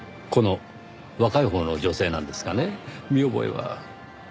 この若いほうの女性なんですがね見覚えは？